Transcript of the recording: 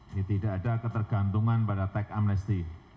ini tidak ada ketergantungan pada teks amnesty